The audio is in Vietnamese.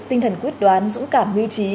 tinh thần quyết đoán dũng cảm mưu trí